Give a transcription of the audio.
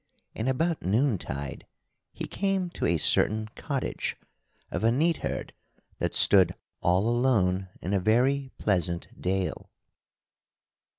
And about noontide he came to a certain cottage of a neatherd that stood all alone in a very pleasant dale.